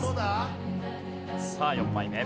さあ４枚目。